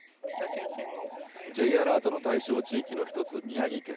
Ｊアラートの対象地域の１つ、宮城県。